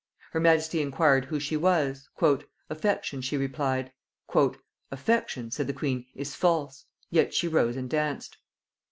Her majesty inquired who she was? "Affection," she replied. "Affection," said the queen, "is false;" yet she rose and danced.